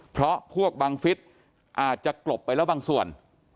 เพราะพวกบังฟิศอาจจะกลบไปแล้วบางส่วน